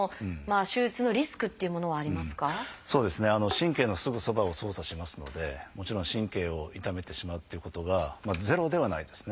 神経のすぐそばを操作しますのでもちろん神経を傷めてしまうっていうことがゼロではないですね。